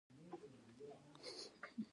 زه د ژوند د هري شېبې قدر کوم.